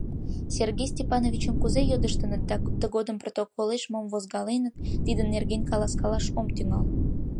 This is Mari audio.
Сергей Степановичым кузе йодыштыныт да тыгодым протоколеш мом возгаленыт — тидын нерген каласкалаш ом тӱҥал.